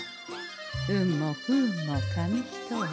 運も不運も紙一重。